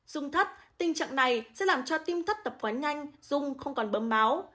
dung thắt tình trạng này sẽ làm cho tim thắt đập quá nhanh dung không còn bớm máu